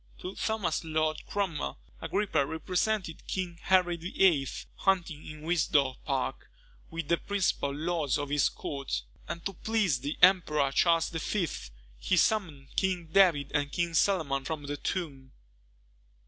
To Thomas Lord Cromwell, Agrippa represented King Henry VIII. hunting in Windsor Park, with the principal lords of his court; and to please the Emperor Charles V. he summoned King David and King Solomon from the tomb.